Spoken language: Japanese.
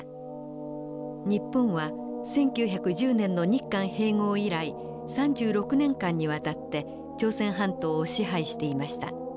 日本は１９１０年の日韓併合以来３６年間にわたって朝鮮半島を支配していました。